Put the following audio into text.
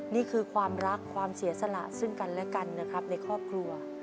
นี่คือความรักความเสียสละซึ่งกันและกันนะครับในครอบครัว